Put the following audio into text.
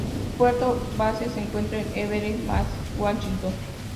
Su puerto base se encuentra en Everett, Washington.